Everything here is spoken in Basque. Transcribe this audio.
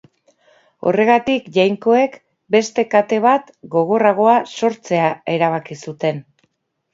Horregatik, jainkoek, beste kate bat, gogorragoa, sortzea erabaki zuten.